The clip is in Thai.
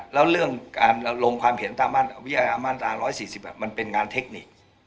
แล้วเรื่องการลงความเห็นตามวิทยามาตรา๑๔๐มันเป็นงานเทคนิค